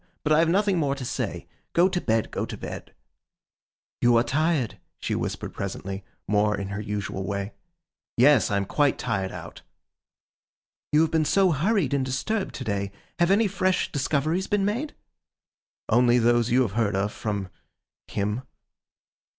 But I have nothing more to say. Go to bed, go to bed.' 'You are tired,' she whispered presently, more in her usual way. 'Yes, I am quite tired out.' 'You have been so hurried and disturbed to day. Have any fresh discoveries been made?' 'Only those you have heard of, from—him.